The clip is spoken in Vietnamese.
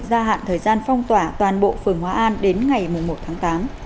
gia hạn thời gian phong tỏa toàn bộ phường hóa an đến ngày một tháng tám